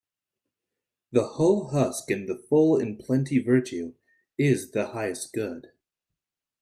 The hull husk and the full in plenty Virtue is the highest good